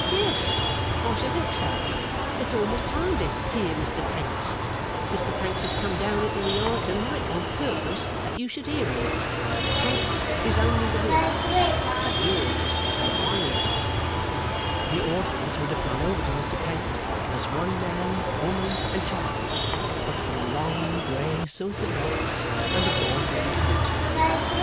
'Yes, I should think so! It's almost time to hear Mr Pancks. Mr Pancks has come down into the Yard to night on purpose that you should hear him. Pancks is only the Works; but here's the Winder!' The audience would have gone over to Mr Pancks, as one man, woman, and child, but for the long, grey, silken locks, and the broad brimmed hat.